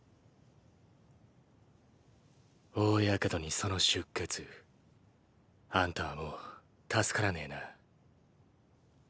大ヤケドにその出血あんたはもう助からねぇな。